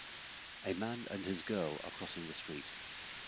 A man and his girl are crossing the street.